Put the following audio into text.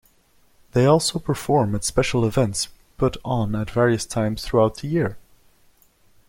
They also perform at special events put on at various times throughout the year.